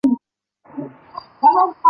期间家中多位亲人离世。